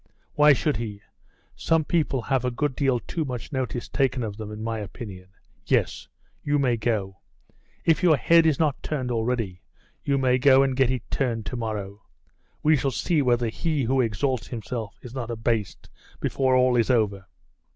Why should he? Some people have a great deal too much notice taken of them, in my opinion. Yes; you may go. If your head is not turned already, you may go and get it turned to morrow. We shall see whether he who exalts himself is not abased, before all is over!